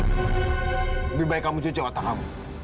lebih baik kamu cuci otak kamu